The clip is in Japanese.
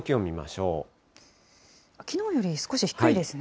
きのうより少し低いですね。